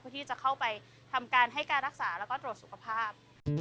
ที่จะเข้าไปทำการให้การรักษาแล้วก็ตรวจสุขภาพ